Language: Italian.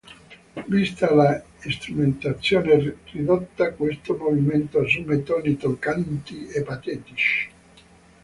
Vista la strumentazione ridotta, questo movimento assume toni toccanti e patetici.